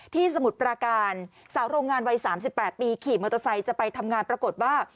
สมุทรปราการสาวโรงงานวัย๓๘ปีขี่มอเตอร์ไซค์จะไปทำงานปรากฏว่า